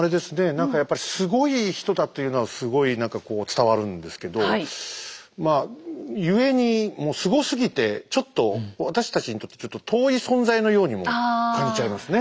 何かやっぱりすごい人だっていうのはすごい何かこう伝わるんですけどまあゆえにもうすごすぎてちょっと私たちにとってちょっと遠い存在のようにも感じちゃいますね。